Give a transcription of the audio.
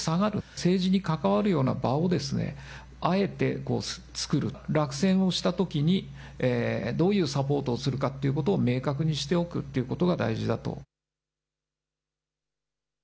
政治に関わるような場を、あえてつくる、落選をしたときに、どういうサポートをするかっていうことを明確にしておくっていうことが大事だと。